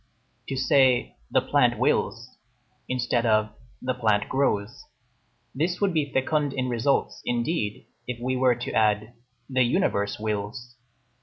To say: "the plant wills," instead of: "the plant grows": this would be fecund in results, indeed, if we were to add: "the universe wills."